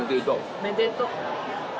おめでと。